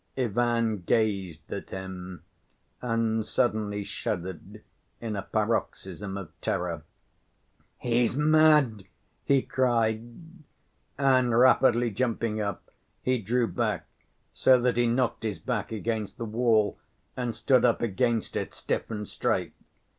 Ivan gazed at him, and suddenly shuddered in a paroxysm of terror. "He's mad!" he cried, and rapidly jumping up, he drew back, so that he knocked his back against the wall and stood up against it, stiff and straight.